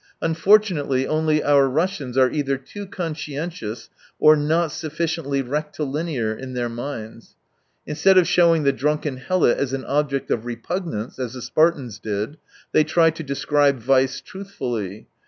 Unfortunately only our Russians are either too conscientious or not sufficiently recti linear in their minds. Instead of showing the drunken helot as an object of repugnance, as the Spartans did, they try to describe vice truthfully.